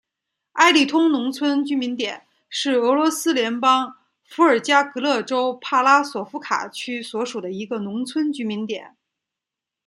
埃利通农村居民点是俄罗斯联邦伏尔加格勒州帕拉索夫卡区所属的一个农村居民点。